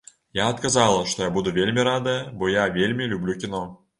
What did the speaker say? Я адказала, што я буду вельмі радая, бо я вельмі люблю кіно.